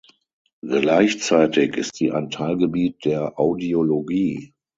Gleichzeitig ist sie ein Teilgebiet der Audiologie.